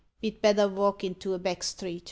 Ve'd better valk into a back street."